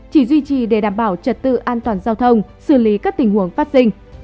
chỉ duy trì để đảm bảo trật tự an toàn giao thông xử lý các tình huống phát sinh